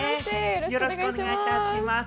よろしくお願いします。